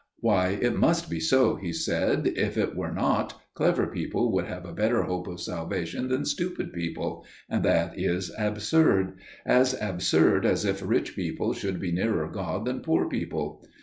"Why, it must be so," he said; "if it were not, clever people would have a better hope of salvation than stupid people; and that is absurd––as absurd as if rich people should be nearer God than poor people.